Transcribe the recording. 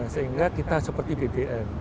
sehingga kita seperti bpn